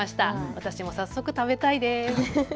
私も早速、食べたいです。